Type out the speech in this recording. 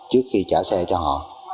trước khi trả xe cho họ